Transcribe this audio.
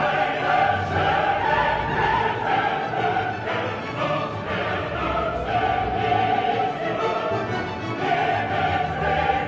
ตีนไก่ของถิ่นนี่นะครับผม